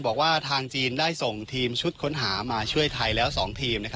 บอกว่าทางจีนได้ส่งทีมชุดค้นหามาช่วยไทยแล้ว๒ทีม